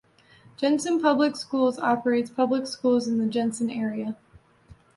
Jenison Public Schools operates public schools in the Jenison area.